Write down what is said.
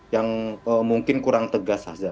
yang mungkin kurang tegas saja